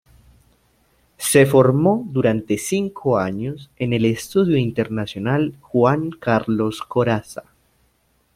Se formó durante cinco años en el Estudio Internacional Juan Carlos Corazza.